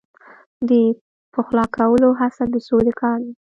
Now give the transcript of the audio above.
د پخلا کولو هڅه د سولې کار دی.